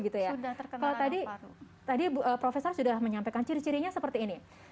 kalau tadi profesor sudah menyampaikan ciri cirinya seperti ini